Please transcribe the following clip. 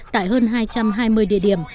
tại hơn hai trăm hai mươi địa điểm